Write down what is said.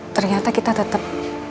ternyata kita tetep